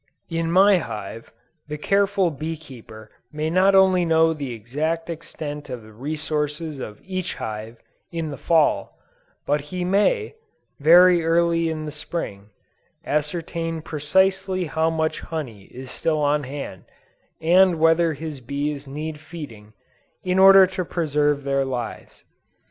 In my hive, the careful bee keeper may not only know the exact extent of the resources of each hive, in the Fall, but he may, very early in the Spring, ascertain precisely how much honey is still on hand, and whether his bees need feeding, in order to preserve their lives.